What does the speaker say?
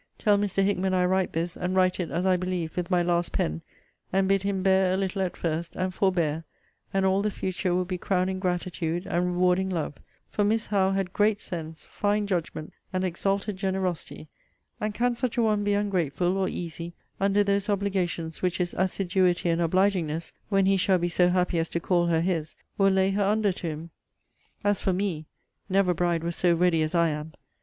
Tell Mr. Hickman I write this, and write it, as I believe, with my last pen; and bid him bear a little at first, and forbear; and all the future will be crowning gratitude, and rewarding love: for Miss Howe had great sense, fine judgment, and exalted generosity; and can such a one be ungrateful or easy under those obligations which his assiduity and obligingness (when he shall be so happy as to call her his) will lay her under to him? As for me, never bride was so ready as I am.